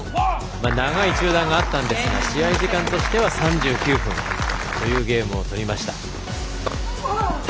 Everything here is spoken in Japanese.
長い中断があったんですが試合時間としては３９分というゲームをとりました。